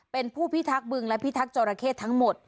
เป็นผู้พิทักษ์บึงและพิทักษ์จอราเข้ทั้งหมด